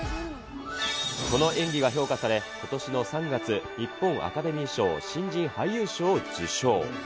この演技が評価され、ことしの３月、日本アカデミー賞新人俳優賞を受賞。